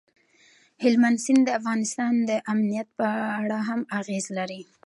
هلمند سیند د افغانستان د امنیت په اړه هم اغېز لري.